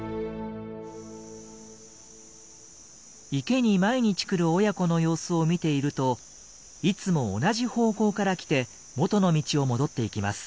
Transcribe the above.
池に毎日来る親子の様子を見ているといつも同じ方向から来て元の道を戻っていきます。